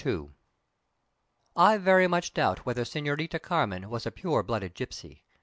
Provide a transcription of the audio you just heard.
I very much doubt whether Senorita Carmen was a pure blooded gipsy.